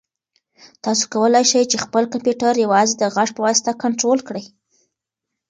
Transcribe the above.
تاسو کولای شئ چې خپل کمپیوټر یوازې د غږ په واسطه کنټرول کړئ.